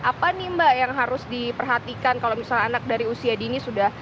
apa nih mbak yang harus diperhatikan kalau misalnya anak dari usia dini sudah